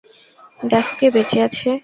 দেখো কে বেঁচে আছে!